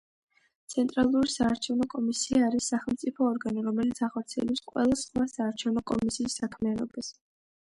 ცენტრალური საარჩევნო კომისია არის სახელმწიფო ორგანო, რომელიც ახორციელებს ყველა სხვა საარჩევნო კომისიის საქმიანობას.